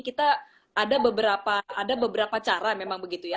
kita ada beberapa cara memang begitu ya